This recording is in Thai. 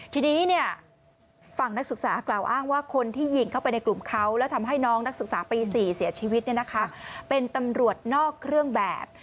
ทีนี้ฝั่งนักศึกษากล่าวอ้างว่าคนที่ยิงเข้าไปในกลุ่มเขาแล้วทำให้น้องนักศึกษาปี๔เสียชีวิตเป็นตำรวจนอกเครื่องแบบ